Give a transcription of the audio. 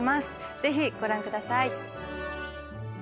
ぜひご覧ください。